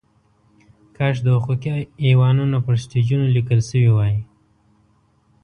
کاش د حقوقي ایوانونو پر سټیجونو لیکل شوې وای.